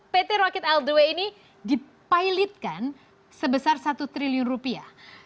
pt rocket all the way ini dipilotkan sebesar satu triliun rupiah